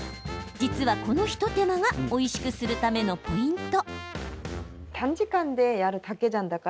実は、この一手間がおいしくするためのポイント。